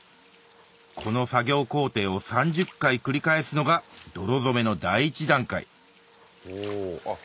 この作業工程を３０回繰り返すのが泥染めの第１段階おあっ